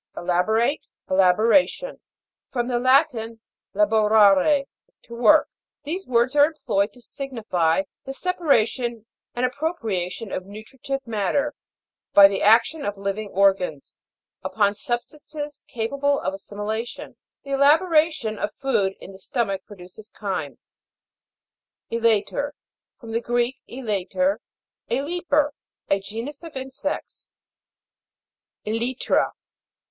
ELA'BORATE. ) From the Latin, lalo ELABORA'TION. $ ra're, to work. These words are employed to sig nify the separation and appropria tion of nutritive matter, by the action of living organs, upon sub stances capable of assimilation. The elaboration of food in the stomach produces chyme. E'LATER. From the Greek, elater, a leaper. A genus of insects. E'LYTRA.